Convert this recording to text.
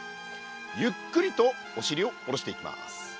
ゆっくりとおしりを下ろしていきます。